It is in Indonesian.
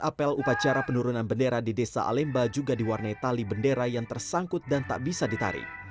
apel upacara penurunan bendera di desa alemba juga diwarnai tali bendera yang tersangkut dan tak bisa ditarik